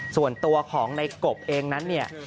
ส่วนตัวของในกบเองนั้น